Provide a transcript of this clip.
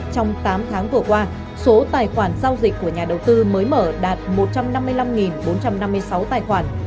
trong tám tháng vừa qua số tài khoản giao dịch của nhà đầu tư mới mở đạt một trăm năm mươi năm bốn trăm năm mươi sáu tài khoản